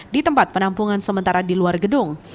di tempat penampungan sementara di luar gedung